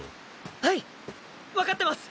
はい分かってます！